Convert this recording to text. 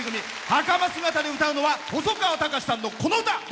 はかま姿で歌うのは細川たかしさんのこの歌。